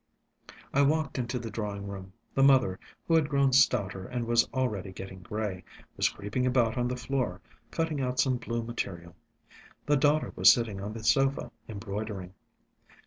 I walked into the drawing room: the mother, who had grown stouter and was already getting grey, was creeping about on the floor, cutting out some blue material. The daughter was sitting on the sofa, embroidering.